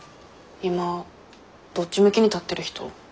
今どっち向きに立ってる人？